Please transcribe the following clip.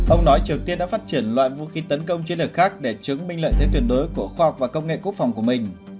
ông nói triều tiên đã phát triển loại vũ khí tấn công chiến lược khác để chứng minh lợi thế tuyệt đối của khoa học và công nghệ quốc phòng của mình